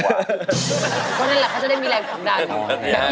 เพราะฉะนั้นแหละเขาจะได้มีแรงคำด้านหน่อย